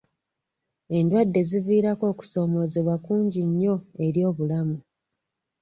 Endwadde ziviirako okusoomoozebwa kungi nnyo eri obulamu.